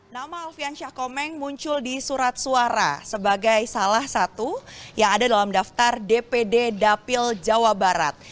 nama alfian syah komeng muncul di surat suara sebagai salah satu yang ada dalam daftar dpd dapil jawa barat